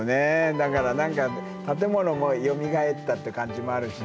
だから何か建物もよみがえったって感じもあるしね。